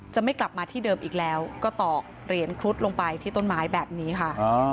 จะไม่กลับมาที่เดิมอีกแล้วก็ตอกเหรียญครุฑลงไปที่ต้นไม้แบบนี้ค่ะ